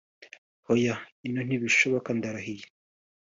Oya ino ntibishoboka ndarahiye”